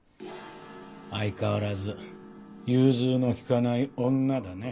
相変わらず融通の利かない女だね。